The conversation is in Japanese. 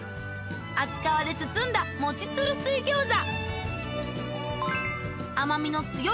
厚皮で包んだモチツル水餃子！